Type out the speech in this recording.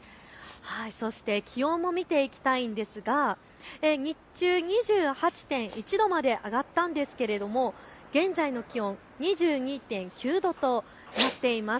そして、気温も見ていきたいんですが日中２８．１度まで上がったんですけれども現在の気温、２２．９度となっています。